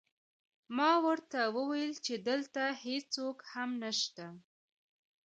ما ورته وویل چې دلته هېڅوک هم نشته